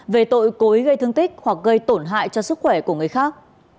về tội cối gây thương tích hoặc gây tổn hại cho sức khỏe của người khác